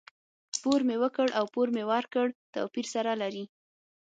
پور مي ورکړ او پور مې ورکړ؛ توپير سره لري.